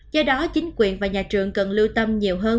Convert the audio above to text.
do đó chính quyền và nhà trường cần lưu tâm nhiều hơn